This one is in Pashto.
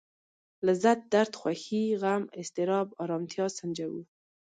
لذت درد خوښي غم اضطراب ارامتيا سنجوو.